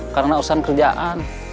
karena urusan kerjaan